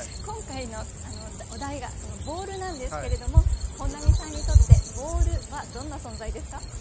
今回のお題が「ボール」なんですけれども本並さんにとって「ボール」はどんな存在ですか？